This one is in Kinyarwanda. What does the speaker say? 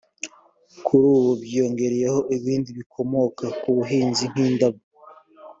kuri ubu byiyongereyeho ibindi bikomoka ku buhinzi nk’indabo